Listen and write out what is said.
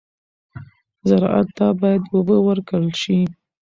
زراعت ته باید اوبه ورکړل شي.